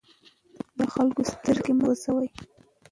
د خلکو سترګې مه سوځوئ.